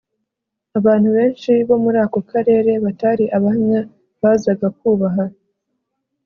Abantu benshi bo muri ako karere batari abahamya bazaga kubaha